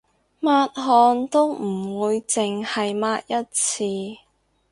抹汗都唔會淨係抹一次